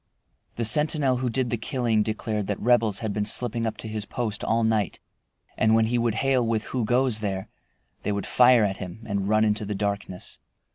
The sentinel who did the killing declared that Rebels had been slipping up to his post all night, and when he would hail with "Who goes there?" they would fire at him and run into the darkness.